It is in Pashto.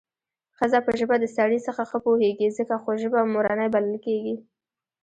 ښځه په ژبه د سړي څخه ښه پوهېږي څکه خو ژبه مورنۍ بلل کېږي